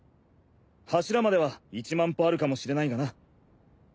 柱までは一万歩あるかもしれないがな。